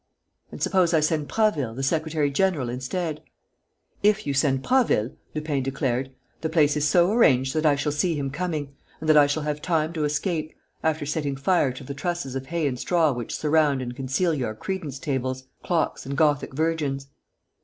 "And suppose I send Prasville, the secretary general, instead?" "If you send Prasville," Lupin declared, "the place is so arranged that I shall see him coming and that I shall have time to escape, after setting fire to the trusses of hay and straw which surround and conceal your credence tables, clocks and Gothic virgins."